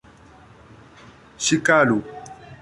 Ŝikalu!